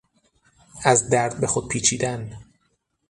از درد به خود پیچیدن